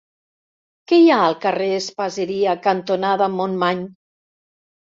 Què hi ha al carrer Espaseria cantonada Montmany?